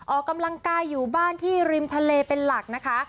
ออกกำลังกายอยู่บ้านที่ริมทะเลเป็นหลักนะคะ